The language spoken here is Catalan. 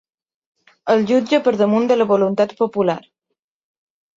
El jutge per damunt de la voluntat popular.